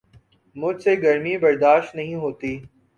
مجھ سے گرمی برداشت نہیں ہوتی